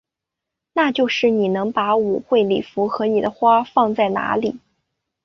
那就是你能把舞会礼服和你的花放在哪里？